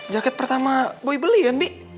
jaket pertama boy beli kan bi